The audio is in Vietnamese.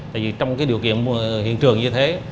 tại vì trong cái điều kiện hiện trường như thế